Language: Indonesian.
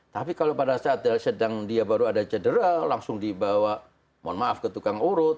tapi kalau pada saat sedang dia baru ada cedera langsung dibawa mohon maaf ke tukang urut